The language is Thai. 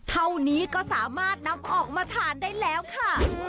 เท่านี้ก็สามารถนำออกมาทานได้แล้วค่ะ